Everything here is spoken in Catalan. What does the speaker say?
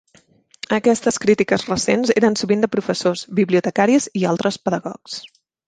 Aquestes crítiques recents eren sovint de professors, bibliotecaris i altres pedagogs.